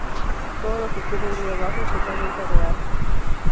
Todo lo que ocurre en Río abajo es totalmente real.